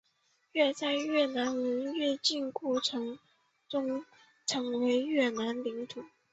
后在越南人南进过程中成为越南的领土。